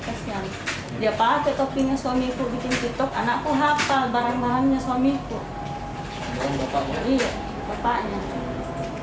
kesian dia pakai topingnya suami itu bikin kitab anakku hafal barang barangnya suamiku